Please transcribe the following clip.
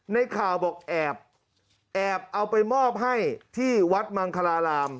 ในข่าวบอกแอบแอบเอาไปมอบให้ที่วัดมังคลาราม